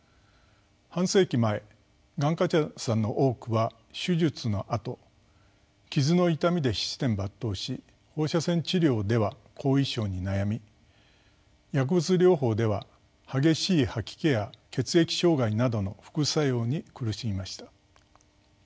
半世紀前がん患者さんの多くは手術のあと傷の痛みで七転八倒し放射線治療では後遺症に悩み薬物療法では激しい吐き気や血液障害などの副作用に苦しみました。